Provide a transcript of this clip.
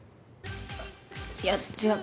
あっいや違う